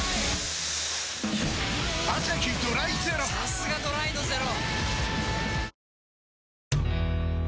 さすがドライのゼロ！